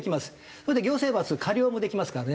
それで行政罰過料もできますからね。